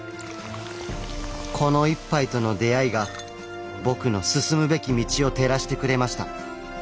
この一杯との出会いが僕の進むべき道を照らしてくれました。